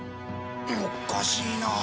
おっかしいなあ。